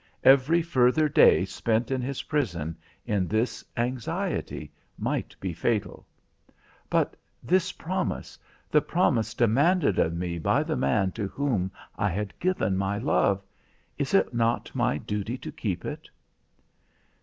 Every further day spent in his prison, in this anxiety, might be fatal." "But this promise? The promise demanded of me by the man to whom I had given my love? Is it not my duty to keep it?"